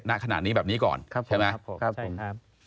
ใส่ห่างนี้แบบนี้ก่อนครับใช่ไหมครับผม